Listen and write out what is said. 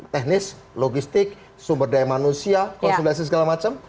teknis logistik sumber daya manusia konsultasi segala macam